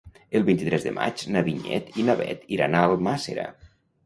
El vint-i-tres de maig na Vinyet i na Bet iran a Almàssera.